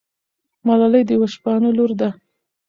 ملالۍ د یوه شپانه لور ده.